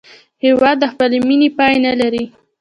هېواد د خپلې مینې پای نه لري.